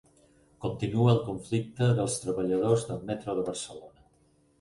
Continua el conflicte dels treballadors del metro de Barcelona